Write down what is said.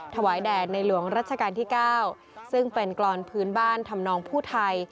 แด่ในหลวงรัชกาลที่๙ซึ่งเป็นกรอนพื้นบ้านทำนองผู้ไทย